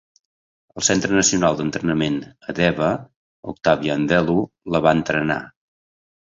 Al centre nacional d'entrenament a Deva, Octavian Belu la va entrenar.